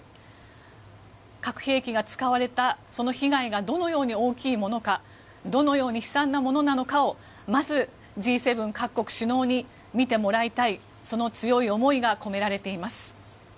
核兵器が使われたその被害がどのように大きいものかどのように悲惨なものなのかをまずＧ７各国首脳に見てもらいたい、その強い思いが込められています。